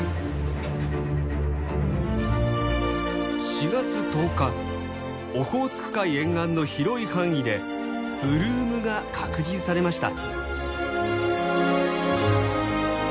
４月１０日オホーツク海沿岸の広い範囲でブルームが確認されました。